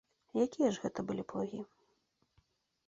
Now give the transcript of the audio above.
Якія ж гэта былі плугі?